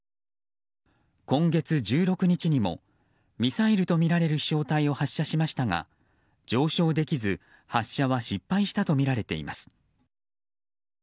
今月１６日にもミサイルとみられる飛翔体を発射しましたが上昇できず、発射は失敗したとみられています。